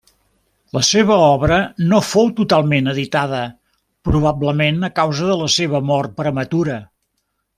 La seva obra no fou totalment editada, probablement a causa de la seva mort prematura.